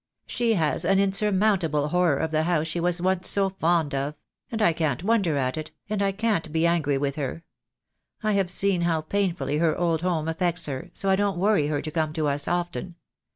"She has an insurmountable horror of the house she was once so fond of; and I can't wonder at it, and I can't be angry with her. I have seen how painfully her old home affects her, so I don't worry her to come to us often.